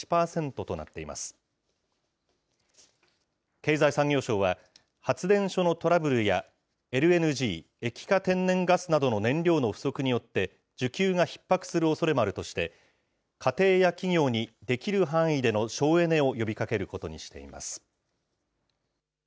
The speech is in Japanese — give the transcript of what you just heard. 経済産業省は、発電所のトラブルやＬＮＧ・液化天然ガスなどの燃料の不足によって需給がひっ迫するおそれもあるとして、家庭や企業に、できる範囲での省エネを呼びかけることにしています。